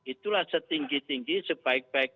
itulah setinggi tinggi sebaik baiknya